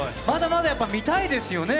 まだまだやっぱ見たいですよ